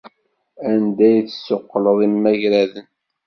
Anda ay d-tessuqquleḍ imagraden?